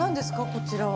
こちらは。